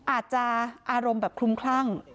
อาจจะอารมณ์แบบคลุมคลั่ง